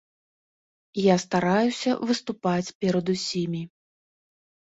Я стараюся выступаць перад усімі.